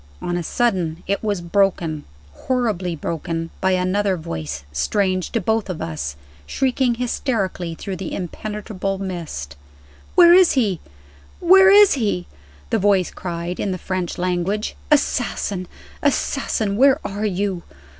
On a sudden it was broken, horribly broken, by another voice, strange to both of us, shrieking hysterically through the impenetrable mist. "Where is he?" the voice cried, in the French language. "Assassin! Assassin! where are you?"